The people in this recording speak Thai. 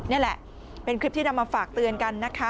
นี่แหละเป็นคลิปที่นำมาฝากเตือนกันนะคะ